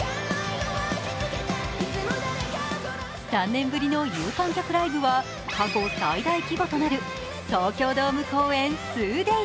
３年ぶりの有観客ライブは過去最大規模となる東京ドーム公演２ＤＡＹＳ。